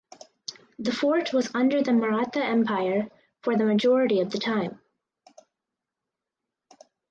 The fort was under the Maratha empire for the majority of the time.